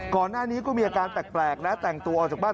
ก่อนหน้านี้ก็มีอาการแปลกนะแต่งตัวออกจากบ้าน